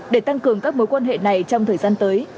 để tăng cường các mối quan hệ này trong thời gian tới